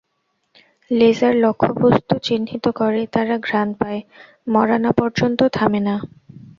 Laser লক্ষ্যবস্তু চিহ্নিত করে, তারা ঘ্রাণ পায়, মরা না পর্যন্ত থামে না।